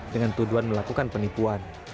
dengan tuduhan melakukan penipuan